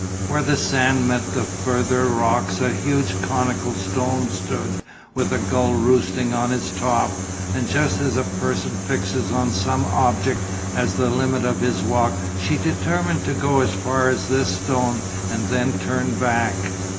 Where the sand met the further rocks a huge conical stone stood with a gull roosting on its top, and just as a person fixes on some object as the limit of his walk she determined to go as far as this stone and then turn back.